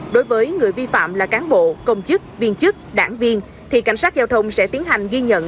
đối với người vi phạm là cán bộ công chức viên chức đảng viên thì cảnh sát giao thông sẽ tiến hành ghi nhận